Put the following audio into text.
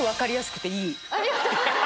ありがとうございます。